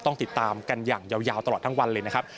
ต้องติดตามกันอย่างยาวตลอดทั้งวันเลยนะครับ